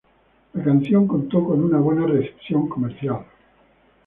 La canción contó con una buena recepción comercial.